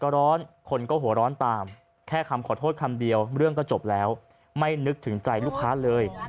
ร้อนตามแค่คำขอโทษคำเดียวเรื่องก็จบแล้วไม่นึกถึงใจลูกค้าเลย